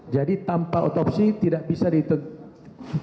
jadi tanpa otopsi tidak bisa ditentukan